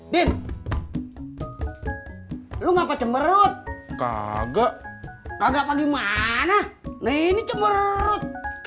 bin lu ngapa cemerut kagak kagak pagi mana ini cemerut